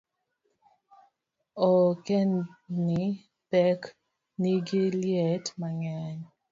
Ongedni pek nigi liet mang'eny